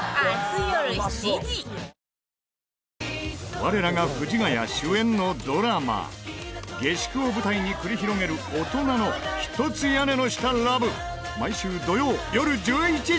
我らが藤ヶ谷主演のドラマ下宿を舞台に繰り広げるオトナの一つ屋根の下ラブ毎週土曜よる１１時